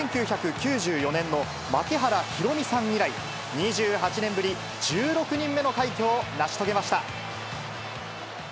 １９９４年の槙原寛己さん以来、２８年ぶり１６人目の快挙を成し遂げました。